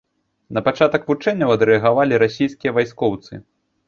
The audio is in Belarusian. На пачатак вучэнняў адрэагавалі расійскія вайскоўцы.